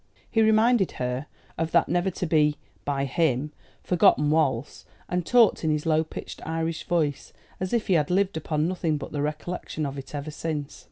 He reminded her of that never to be, by him, forgotten waltz, and talked, in his low pitched Irish voice, as if he had lived upon nothing but the recollection of it ever since.